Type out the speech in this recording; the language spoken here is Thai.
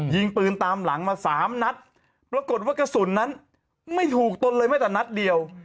ยิงปืนตามหลังมาสามนัดปรากฏว่ากระสุนนั้นไม่ถูกตนเลยไม่แต่นัดเดียว